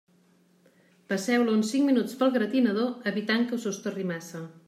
Passeu-la uns cinc minuts pel gratinador, evitant que se us torri massa.